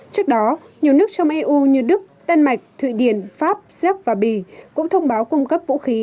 trước đó nhiều nước trong eu như đức đan mạch thụy điển pháp séc và bỉ cũng thông báo cung cấp vũ khí